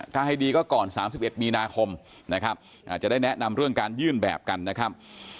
ถ้าให้ดีก็ก่อน๓๑มีนาคมนะครับจะได้แนะนำเรื่องการยื่นแบบกันนะครับ